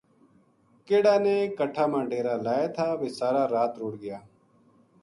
کِہڑا نے کٹھا ما ڈیرا لایا تھا ویہ سارا رات رُڑھ گیا